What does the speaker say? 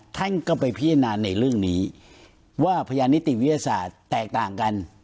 ท่านก็ไปพิจารณาในเรื่องนี้ว่าพยานนิติวิทยาศาสตร์แตกต่างกัน